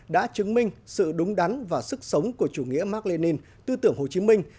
đã chứng minh sự đúng đắn và sức sống của chủ nghĩa mark lenin tư tưởng hồ chí minh